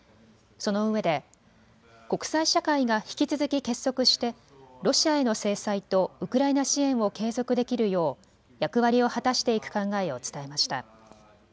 そのうえで国際社会が引き続き結束してロシアへの制裁とウクライナ支援を継続できるよう役割を果たしていく考えを伝えました。